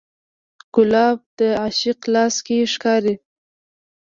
ګلاب د عاشق لاس کې ښکاري.